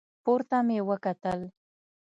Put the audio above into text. پورته مې وکتل.